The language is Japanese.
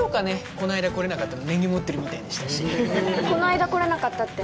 この間来れなかったの根に持ってるみたいでしたしこの間来れなかったって？